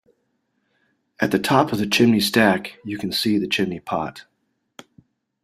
At the top of the chimney stack, you can see the chimney pot